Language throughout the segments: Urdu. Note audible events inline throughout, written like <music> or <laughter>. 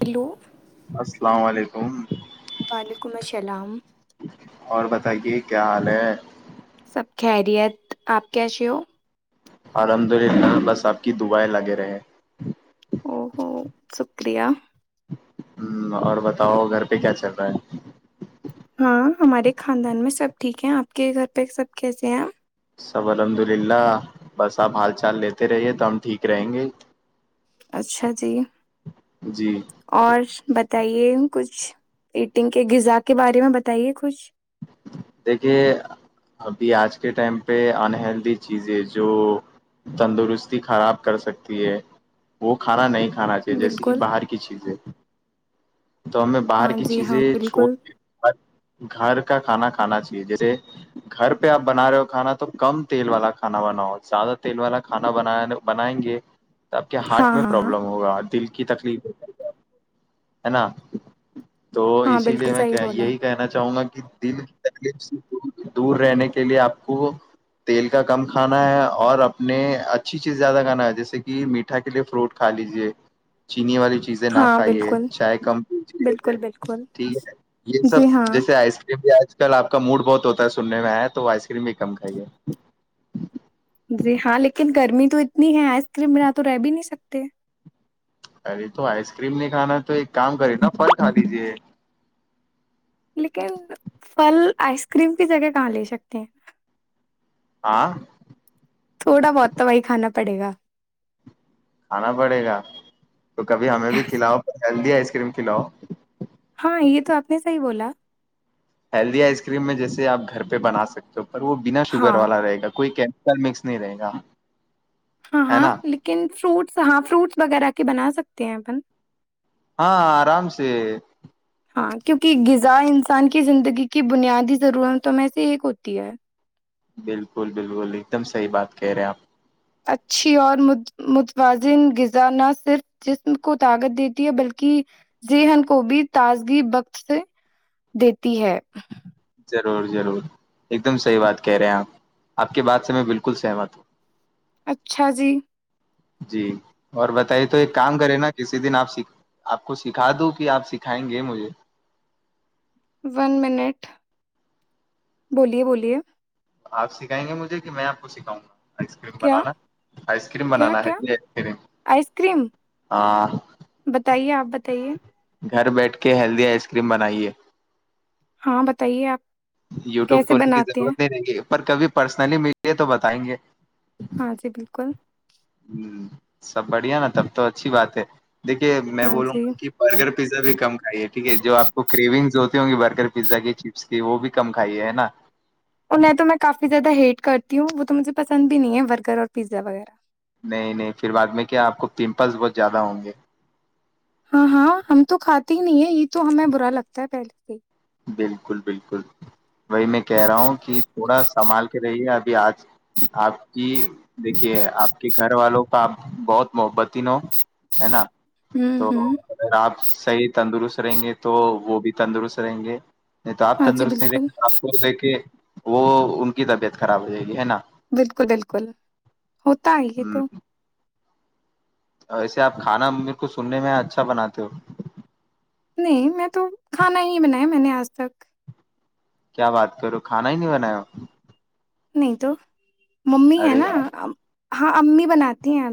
ہیلو السلام علیکم ہ <unintelligible> وعلیکم السلام اور بتائیے کیا حال ہے سب خیریت آپ کیسی ہو الحمد للہ بس آپ کی دعائیں لگے رہے او ہوو شکریہ ہ اور بتاؤ گھر پہ کیا چل رہا ہے ہاں ہمارے خاندان میں سب ٹھیک ہے آپ کے گھر پہ سب کیسے ہیں سب الحمد للہ بس آپ حال چال لیتے رہیے تو ہم ٹھیک رہیں گے اچھا جی جی اور ب بتائیے کچھ ایٹنگ کے غذا کے بارے میں بتائیے کچھ دیکھیے ابھی آج کے ٹائم پہ انہلدی چیزیں جو تندرستی خراب کر سکتی ہے وہ کھانا نہیں کھ کھانا چاہیے جیسے کہ بالکل باہر کی چیزیں تو ہمیں باہر ہاں کی جی ہاں چیزیں چھوڑ بالکل کے گھر کھانا کھانا چاہیے جیسے گھر پہ آپ بنا رہے ہو کھانا تو کم تیل والا کھانا بناؤ زیادہ تیل والا کھانا ب بنائیں گے تو آپ کے ہاں ہارٹ میں ہاں ہاں پروابلم ہوگا دل کے کی تکلیف ہے نا تو ہاں اسی بالکل لیے میں صحیح بولا یہی کہنا چاہوں گا کہ تلی سے دور رہنے کے لیے آپ کو تیل کا کم کھانا ہے اور اپنے اچھی چیز زیادہ کھانا ہے جیسے کہ میٹھا کے لیے فروٹ کھا لیجے چینی والی چیزیں نہ ہاں کھائیے بالکل چائے کم پی چے بالکل بالکل ٹھیک ہے یہ سب جی ہاں جیسے آئس آج کل آپ کا موڈ بہت ہوتا ہے سننے میں آیا تو آئس کریم بھی کم کھائیے جی ہاں لیکن گرمی تو اتنی ہے آئس کریم ب نہ تو رہ بھی نہیں سکتے ارے تو آئس کریم نہیں کانا تو ایک کام کری نا پل کا لیجیے لیکن پھل آئس کریم کی جگہ کہاں لے سکتے ہیں آ <unintelligible> تھوڑا بہت تو بھائی کانا پ پڑے گا کھانا پڑے گا تو کب ہمیں بھی کھلاؤ جلدی آئس کریم کھلاؤ ہاں یہ تو آپ نے صحی بولا ہیلدی آئس کریم میں جیسے آپ گھر پہ بنا سکتے ہو پر وہ بنا ہاں شوگر والا رہے گا کوئی کہ کل مکس نہیں رہے گا ہاں ہے ہاں نا لیکن فروٹس ہاں فروٹس وغیرہ کہ بنا سکتے ہیں اپن ہاں آرام سے ہاں کیونکہ غذا انسان کی زندگی کی بنیادی ضرورتوں میں سے ایک ہوتی ہے بالکل بالکل ایک دم صحیح بات کہہ رہے آپ اچھی اور متوازن غذا نہ صرف جسم کو طاقت دیتی ہے بلکہ ذہن کو بھی تازگی بخشتے دیتی ہے ضرور ضرور ایک دم صحیح بات کہہ رہے ہیں آپ آپ کے بات سے میں بالکل سہمت ہوں اچھا جی جی اور بتائیے تو ایک کام کرے نا کسی دن آپ آپ کو سکھا دوں کہ آپ سکھائیں گے مجھے ون منٹ بولیے بولیے آپ سکھائیں گے مجھے کہ میں آپ کو سکھاؤں گا آئس کریم کیا بنانا آئس کریم کیا بنانا ہے کیا جی آئس کریم آئس کریم ہاں بتائیے آپ بتائیے گھر بیٹھ کے ہیلدی آئس کریم بنائیے ہاں بتائیے آپ یوٹیوب کیسے کھولنے کی بناتے ہیں ضرورت نہیں رہیں گی پر کبھی پرسنلی ملیے تو بتائیں گے ہاں جی بالکل سب بڑھیا نا تب تو اچھی بات ہے دیکھیے میں ہاں بولوں جی گا کہ برگر پیزا بھی کم کھائیے ٹھیک ہے جو آپ کو کرریونگ ہوتی ہوں گی برگر پزا کی چپس وہ بھی کم کھائیے ہے نا کیوں وہ تو مجھے پسند بھی نہیں ہے برگر اور پیزا وغیرہ نہیں نہیں پھر بعد میں کیا آپ کو پمپلز بہت زیادہ ہوں گے؟ ہاں ہاں ہم تو کھاتے ہی نہیں ہے یہ تو ہمیں برا لگتا ہے پہلے سے ہی بالکل بالکل وہی میں کہہ رہا ہوں کہ تھوڑا سنبھال کے رہیے اب کہ آج آپ کی دیکھیے آپ کے گھر والوں کا آپ بہت محبت ہو ہے نا ہوں تو ہوں اگر آپ صحیح تندرست رہیں گے تو وہ بھی تندرست رہیں گے نہیں تو آپ ہاں جی تندرست نہیں بالکل دیکھیں آپ کو دیکھے وہ ان کی طبیعت خراب ہو جائے گی ہے نا بالکل بالکل ہوتا ہے یہ تو ویسے آپ کھانا میرے کو سننے میں اچھا بناتے ہو نہیں میں تو کھانا ہی نہیں بنایا میں نے آج تک کیا بات کروں کھانا ہی نہیں بنایا نہیں تو ممی ہے ارے نا ہاں امی بناتی <inaudible>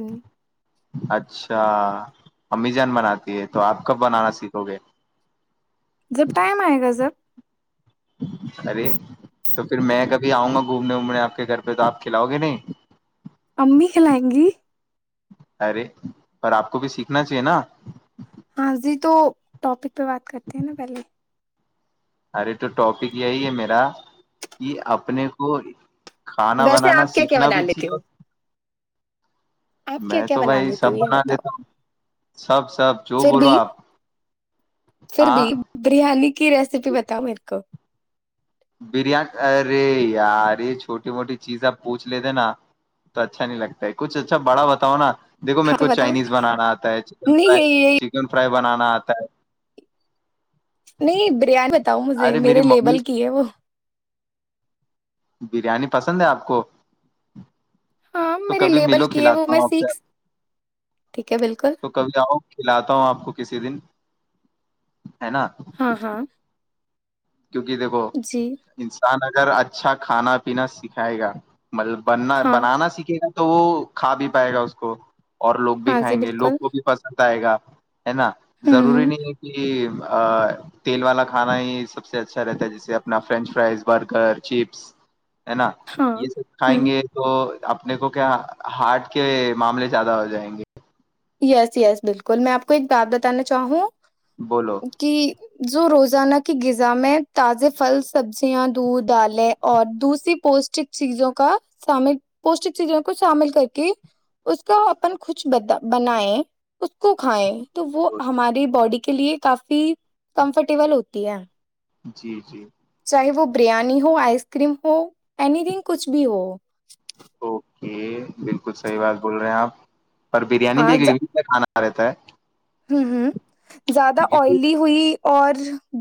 اچھا امی جان بناتی ہے تو آپ کب بنانا سیکھو گے جب ٹائم آئے گا جب ارے تو پھر میں کبھی آؤں گا گھومنے وومنے آپ کے گھر پہ تو آپ کھلاؤ گے نہیں ممی کھلائیں گی ارے پر آپ کو بھی سیکھنا چاہیے نا ہاجی تو ٹاپک تو بات کرتے ہیں نا پہلے ارے تو ٹاپک یہی ہے میرا کہ اپنے کو کھانا ویسے بنانا آپ کیا کیا سیکھنا بنا بھی لیتے چاہیے ہو آپ کیا میں کیا تو بنا بھائی لیتی سب ہو یہ بنا بتاؤ لیتا ہوں سب سب جو پھر بولو بھی آپ پھر ہاں بھی بریانی کی ریسیپی بتاؤ میرے کو بری ارے یار یہ چھوٹی موٹی چیز آپ پوچھ لیتے نا تو اچھا نہیں لگتا ہے کچھ اچھا بڑا بتاؤ نا دیکھو ہاں میرے تو کو بتاؤ چائنیز بنانا آتا ہے چکن نہیں فرائی ہے یہ چکن فرائی بنانا آتا ہے نہیں بریانی بتاؤ مجھے ارے میری میرے ممی لیبل کی ہے وہ بریانی پسند ہے آپ کو ہاں تو میرے کبھی لیبل ملو کی ہے وہ کھلاتا میں ہوں آپ کو سیکھ ٹھیک ہے بالکل تو کبھی آؤ کھلاتا ہوں آپ کو کسی دن ہے نا ہاں ہاں کیونکہ دیکھو جی انسان ا اگھر اچھا کھانا پینا سکھائے گا مطلب بننا ہاں بنانا سیکھے گا تو وہ کھا بھی پائے گا اس کو اور لوگ بھی ہاں جی کھائیں گے لوگ بالکل کو بھی پسند آئے گا ہے نا ہوں ضروری ہوں نہیں ہے کہ یہ تیل والا کھانا ہی سب سب سے اچھا رہتا ہے جیسے اپنا فرینچ فرائز برگر چپس ہے نا ہاں یہ سب کھائیں ہوں گے تو اپنے کو کیا ہارٹ کے معاملے زیادہ ہو جائیں گے یس یس بالکل میں آپ کو ایک بات بتانا چاہوں بولو کہ جو روزانہ کی غذا میں تازے پھل سبزیاں دودھ دالیں اور دوسری پوشٹک چیزوں کا شامل پوشٹک چیزوں کو شامل کر کے اس کا اپن کچھ بدا بنیں کچھ کو کھائے تو وہ ہماری باڈی کے لیے کافی کمفرٹیبل ہوتی ہے جی جی چاہے وہ بریانی ہو آئس کریم ہو اینی تھنگ کچھ بھی ہو ج بالکل صحیح بات بول رہے ہیں آپ پر بریانی بھی ہاں اگلیھانا رہتا ہے ہوں ہوں زیادہ کیونکہ آئلی ہوئی اور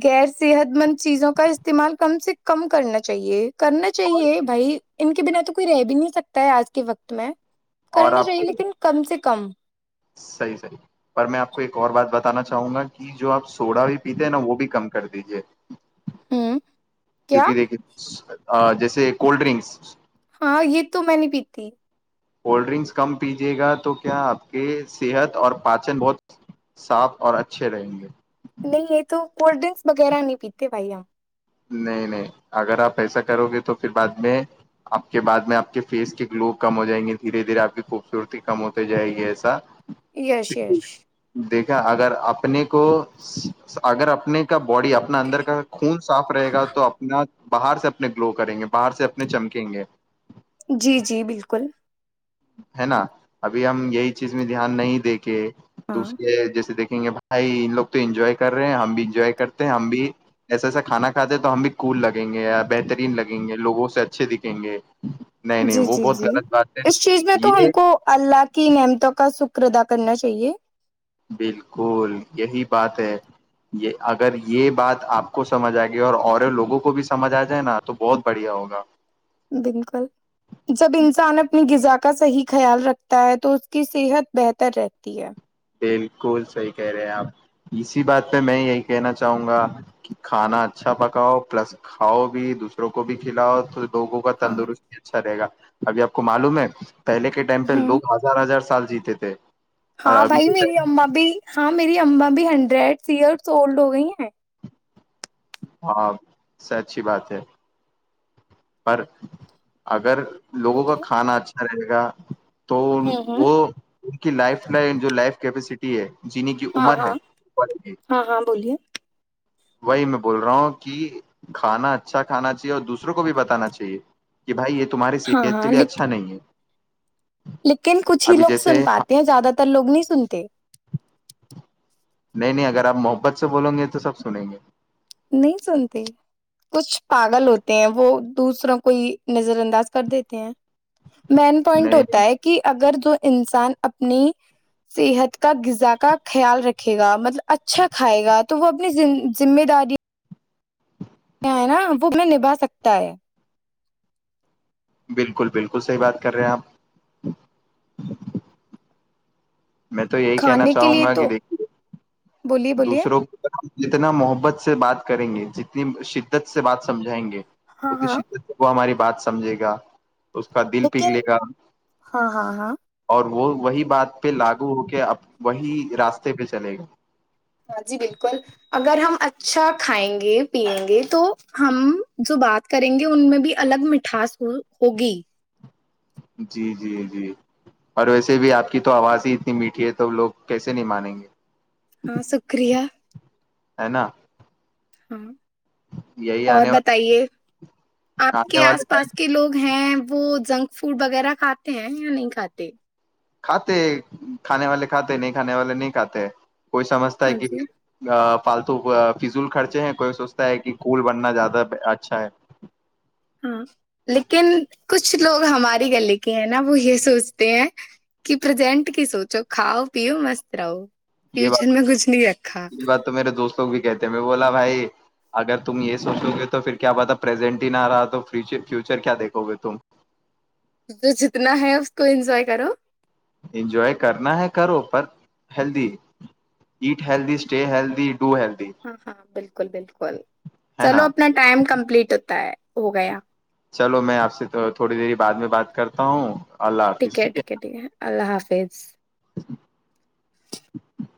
غیر صحت مند چیزوں کا استعمال کم سے کم کرنا چاہیے کرنا چاہیے بھائی ان کے بنا تو کوئی رہ بھی نہیں سکتا ہے آج کے وقت میں اور کرنے آپ چاہیے کو لیکن کم سے ک کم صحیح صحیح پر میں آپ کو ایک اور بات بتانا چاہوں گا کہ جو آپ سوڈا بھی پیتے ہیں نا وہ بھی کم کر دیجے ہوں کیا کیونکہ دیکھے جیسے کولڈ ڈرنکس ہاں یہ تو میں نہیں پیتی کولڈ ڈرنکس کم پیجیے گا تو کیا آپ کے صحت اور پاچن بہت صاف اور اچھے رہیں گے نہیں یہ تو کولڈ ڈرنکس وغیرہ نہیں پیتے بھائی ہمپ نہیں نہیں اگر آپ ایسا کرو گے تو پھر بعد میں آپ کے بعد میں آپ کے فیس کی گلو کم ہو جائیں گی دھیرے دھیرے آپ کی خوبصورتی کم ہوتے جائے گی ایسا یش یش دیکھا اگر اپنے کو اگر اپنے کا باڈی اپنا اندر کا خون رہے گا تو اپنا باہر سے اپنے گلو کریں گے باہر سے اپنے چمکیں گے جی جی بالکل ہے نا ابھی ہم یہی چیز میں دھیان نہیں دیک کے ہاں دوسرے جیسے دیکھ دیں گے بھائی ان لوگ تو انجوائے کر رہے ہیں ہم بھی انجوائے کرتے ہیں ہم بھی ایسا ایسا کھانا کھاتے ہیں تو ہم بھی کول لگیں گے یا بہترین لگیں گے لوگوں سے اچھے دکھیں گے نہیں نہیں جی وہ جی بہت جی غلط بات ہے اس میں تو یہ ہم کو اللہ کی نعمتوں کا شکر د کرنا چاہیے بالکل یہی بات ہے یہ اگر یہ بات آپ کو سمجھ آئے گی اور اور لوگوں کو بھی سمجھ آ جائے نا تو بہت بڑھیا ہوگا بالکل جب انسان اپنی غذا کا صحیح خیال رکھتا ہے تو اس کی صحت بہتر رہتی ہے بالکل صحیح کہہ رہے ہیں آپ اسی بات پہ میں یہی کہنا چاہوں گا کہ کھانا اچھا پکاؤ پلس کھاؤ بھی دوسروں کو بھی کھلاؤ تو لوگوں کا ہاں تندرست بھی اچھا رہ گا ابھی آپ کو معلوم ہے پہے کے ٹائم ہوں پہوگ ہزار ہزار سال جیتے تھے اور ہاں ابھی بھائی کے میری ٹائم اما بھی ہاں میری اما بھی ہنڈریڈ ایئرس اولڈ ہو گئی ہیں ہاں سچی بات ہے پر اگر لوگوں کا بولیے کھانا اچھا رہے گا تو ہوں ہوں وہ ان کی لائف ل جو لائف کیپیسٹی ہے جینے کی ہاں عمر ہاں ہے ہاں ہاں بولیے وہی میں بول رہا ہوں کہ کھانا اچھا کھانا چاہیے اور دوسروں کو بھی بتانا چاہیے کہ بھائی یہ تو تمہاری ہاں صحت کے ہاں لیے لیک- اچھا نہیں ہے لیکن کچھ ہی ابھی لوگ سن جیسے پاتے ہیں زیادہ تر لوگ نہیں سنتے نہیں نہیں اگر آپ محبت سے بولیں گے تو سب سنیں گے نہیں سنتے کچھ پاگل ہوتے ہیں وہ دوسروں کو ہی نظر انداز کر دیتے ہیں مین پوائنٹ نہیں ہوتا نہیں ہے کہ اگر جو انسان اپنی صحت کا غذا کا خیال رکھے گا مطلب اچھا کھائے گا تو وہ اپنی ذمہ داری کیا ہے نا وہ میں نبھا سکتا ہے بالکل بالکل صحیح بات کر رہے ہیں آپ میں تو یہی کہنا کھانے کے چاہوں لیے گا کہ تو دیکھیے بولیے بولیے دوسروں کو جتنا محبت سے بات کریں گے جتنی شدت سے بات سمجھائیں گے وہ ہاں ہاں س وہ ہماری بات سمجھے گا اس کا دل پگھلے لیکن گا ہاں ہاں ہاں اور وہ وہی بات پہ لاگو ہو کے اب وہی راستے پہ چلے گا ہاں جی بالکل اگر ہم اچھا کھائیں گے پیئیں گے تو ہم جو بات کریں گے ان میں بھی الگ مٹھاس ہوگی جی جی جی اور ویسے بھی آپ کی تو آواز ہی اتنی میٹھی ہے تو لوگ کیسے نہیں مانیں گے ہاں شکریہ ہے ن ہاں اور والے بتائیے آپ آنے کے والے آس ٹائم پاس کے لوگ ہیں وہ جنک فوڈ وغیرہ کھاتے ہیں یا نہیں کھاتے کھاتے کھانے والے کھاتے نہیں کھانے والے نہیں کھاتے کوئی سمجھتا ہے ہاں کہ جی فالتو فضول خرچے ہیں کوئی سوچتا ہے کہ کول بننا زیادہ اچھا ہے ہاں لیکن کچھ لوگ ہماری گلے کے ہیں نا وہ یہ سوچتے ہیں کہ پرزینٹ کی سوچو کھاؤ پیو مست رہو یہ بات فیوچر میں کچھ نہیں رکھا یہ بات تو میرے دوستوں کو بھی کہتے ہیں میں بولا بھائی اگر تم یہ سوچو گے تو پھر کیا بات پرزینٹ ہی نہ رہا تو فیوچر کیا دیکھو گے تم جو جتنا ہے اس کو انجوائے کرو انجوائے کرنا ہے کرو پر healthy eat healthy stay healthy eat ہاں ہاں بالکل بالکل ہے چلو نا اپنا ٹائم کمپلیٹ ہوتا ہے ہو گیا چلو میں آپ سے تھوڑی دری بعد میں بات کرتا ہوں ٹھیک ہے ٹیک ہے ٹھ ہے اللہ حافظ فیز